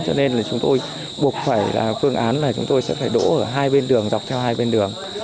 cho nên là chúng tôi buộc phải là phương án là chúng tôi sẽ phải đỗ ở hai bên đường dọc theo hai bên đường